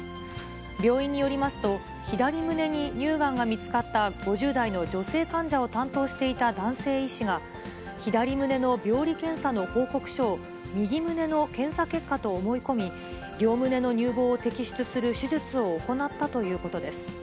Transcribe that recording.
病院によりますと、左胸に乳がんが見つかった５０代の女性患者を担当していた男性医師が、左胸の病理検査の報告書を右胸の検査結果と思い込み、両胸の乳房を摘出する手術を行ったということです。